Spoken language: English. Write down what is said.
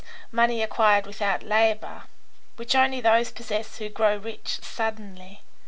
money acquired without labour, which only those possess who grow rich suddenly.